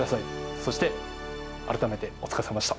そして改めてお疲れさまでした。